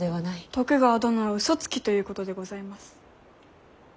徳川殿は嘘つきということでございます。